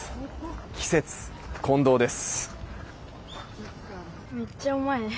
季節、混同です。